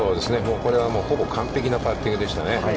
これはもう、ほぼ完璧なパッティングでしたね。